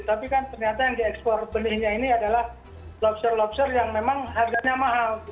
tapi kan ternyata yang diekspor benihnya ini adalah lobster lobster yang memang harganya mahal